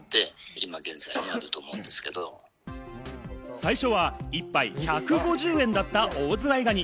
最初は１杯１５０円だったオオズワイガニ。